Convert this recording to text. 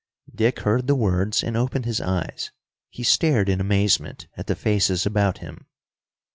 Dick heard the words and opened his eyes. He stared in amazement at the faces about him.